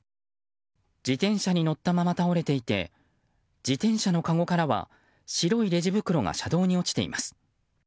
自転車に乗ったまま倒れていて自転車のかごからは白いレジ袋が車道に落ちています。